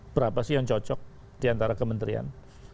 berapa sih yang cocok diantara kementerian